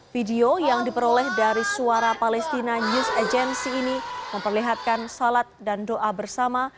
video yang diperoleh dari suara palestina news agency ini memperlihatkan salat dan doa bersama